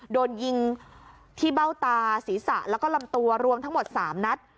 โดนยิงที่เบ้าตาศีรษะแล้วก็ลำตัวรวมทั้งหมด๓นัด